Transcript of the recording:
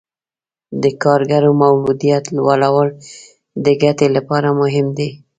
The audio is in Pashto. د کارګرو مولدیت لوړول د ګټې لپاره مهم دي.